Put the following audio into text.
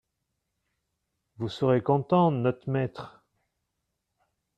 Vous serez content, not' maître ….